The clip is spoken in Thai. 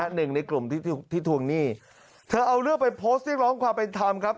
หนึ่งในกลุ่มที่ที่ทวงหนี้เธอเอาเรื่องไปโพสต์เรียกร้องความเป็นธรรมครับ